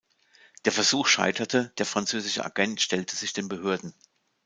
Der Versuch scheiterte, der französische Agent stellte sich den Behörden.